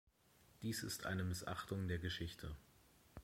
Dies ist eine Missachtung der Geschichte.